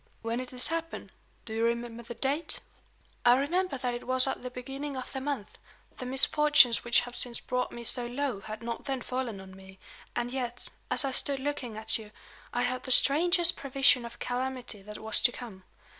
"When did this happen? Do you remember the date?" "I remember that it was at the beginning of the month. The misfortunes which have since brought me so low had not then fallen on me; and yet, as I stood looking at you, I had the strangest prevision of calamity that was to come.